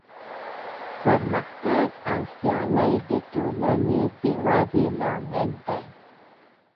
پرمختګ او سیالي د ټولنې د ودې لامل دی.